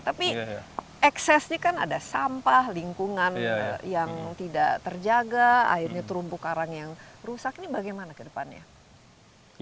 tapi eksesnya kan ada sampah lingkungan yang tidak terjaga akhirnya terumpu karang yang rusak ini bagaimana ke depannya